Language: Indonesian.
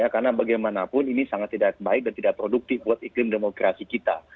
karena bagaimanapun ini sangat tidak baik dan tidak produktif buat iklim demokrasi kita